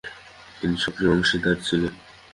তিনি সক্রিয় অংশীদার ছিলেন।